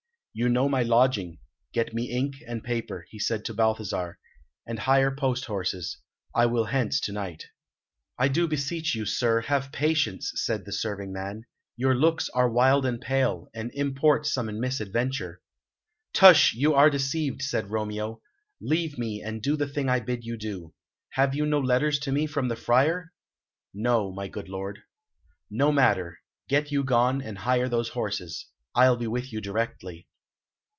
"You know my lodging; get me ink and paper," he said to Balthasar. "And hire post horses. I will hence to night." "I do beseech you, sir, have patience," said the serving man. "Your looks are wild and pale, and import some misadventure." "Tush! You are deceived," said Romeo. "Leave me, and do the thing I bid you do. Have you no letters to me from the Friar?" "No, my good lord." "No matter. Get you gone, and hire those horses. I'll be with you directly."